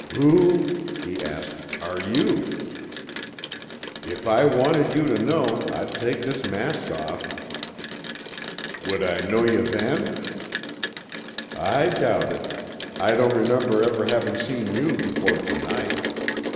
"Who," he asked, "are you?" "If I wanted you to know, I'd take this mask off." "Would I know yuh then?" "I doubt it I don't remember ever having seen you before tonight.